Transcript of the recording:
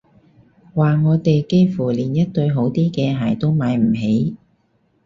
話我哋幾乎連一對好啲嘅鞋都買唔起